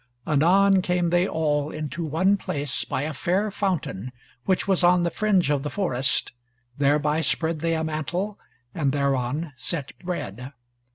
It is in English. Anon came they all into one place by a fair fountain which was on the fringe of the forest, thereby spread they a mantle, and thereon set bread.